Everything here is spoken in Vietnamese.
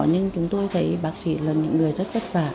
nhưng chúng tôi thấy bác sĩ là những người rất vất vả